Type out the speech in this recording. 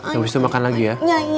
habis itu makan lagi ya